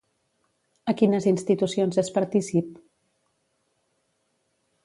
A quines institucions és partícip?